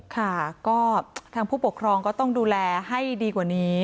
ค่ะก็ทางผู้ปกครองก็ต้องดูแลให้ดีกว่านี้